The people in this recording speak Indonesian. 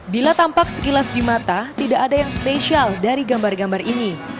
bila tampak sekilas di mata tidak ada yang spesial dari gambar gambar ini